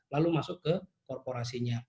lalu masuk ke korporasinya